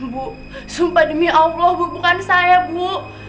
bu sumpah demi allah bu bukan saya bu